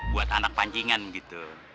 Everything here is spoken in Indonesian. buat anak pancingan gitu